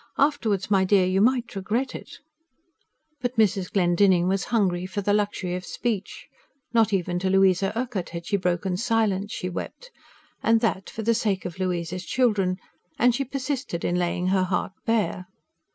"Afterwards, my dear, you might regret it." But Mrs. Glendinning was hungry for the luxury of speech not even to Louisa Urquhart had she broken silence, she wept; and that, for the sake of Louisa's children and she persisted in laying her heart bare.